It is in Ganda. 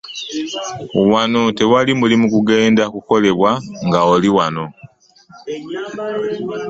Wano tewali mulimu gugenda kukolebwa nga wooli.